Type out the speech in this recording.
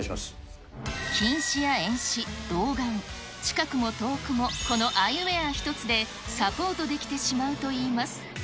近視や遠視、老眼、近くも遠くもこのアイウエア１つでサポートできてしまうといいます。